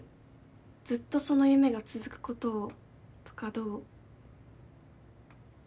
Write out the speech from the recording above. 「ずっとその夢が続くことを」とかどう？